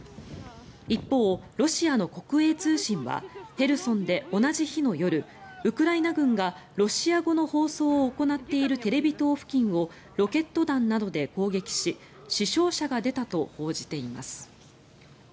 一方、ロシアの国営通信はヘルソンで同じ日の夜ウクライナ軍がロシア語の放送を行っているテレビ塔付近をロケット弾などで攻撃し死傷者が出たと報じています。